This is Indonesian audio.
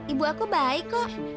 ibu aku baik kok